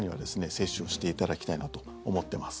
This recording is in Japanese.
接種をしていただきたいなと思っています。